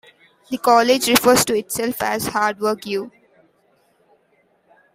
The college refers to itself as Hard Work U.